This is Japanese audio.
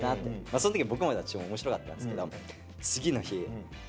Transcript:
その時僕たちも面白かったんですけど。